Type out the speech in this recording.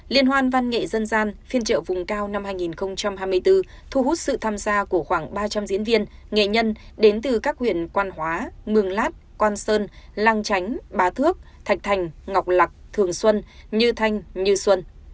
liên hoan văn nghệ dân gian phiên trợ vùng cao năm hai nghìn hai mươi bốn thu hút sự tham gia của khoảng ba trăm linh diễn viên nghệ nhân đến từ các huyện quan hóa mường lát quan sơn lang chánh bá thước thạch thành ngọc lạc thường xuân như thanh như xuân